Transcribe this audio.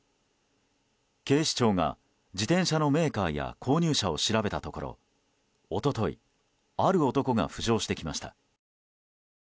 警視庁が、自転車のメーカーや購入者を調べたところ一昨日、ある男が浮上してきました。